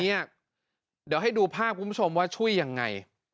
เดี๋ยวให้ดูภาพคุณผู้ชมว่าช่วยยังไง